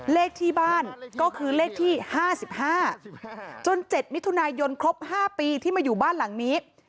เลขที่บ้านก็คือเลขที่ห้าสิบห้าจนเจ็ดมิถุนายนครบห้าปีที่มาอยู่บ้านหลังนี้